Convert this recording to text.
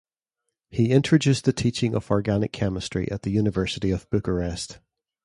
He introduced the teaching of organic chemistry at the University of Bucharest.